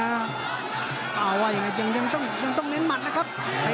ยังต้องเน้นหมัดนะครับ